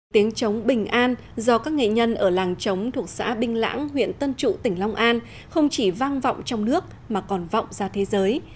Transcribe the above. tiếng trống bình an do các nghệ nhân ở làng trống thuộc xã binh lãng huyện tân trụ tỉnh long an không chỉ vang vọng trong nước mà còn vọng ra thế giới